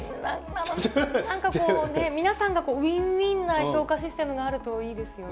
なんかこうね、皆さんがウィンウィンな評価システムがあるといいですよね。